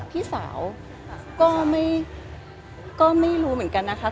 พี่สาวก็ไม่รู้เหมือนกันนะคะ